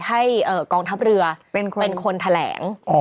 ให้กองทัพเรือเป็นคนแถลง